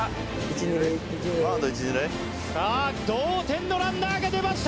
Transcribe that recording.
さあ同点のランナーが出ました！